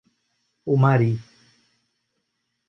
Umari